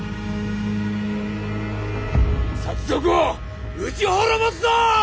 賊を討ち滅ぼすぞ！